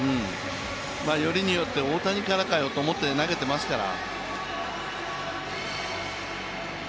よりによって大谷からかよと思って投げてますから。